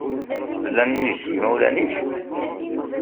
Llan yid-k yimawlan-ik?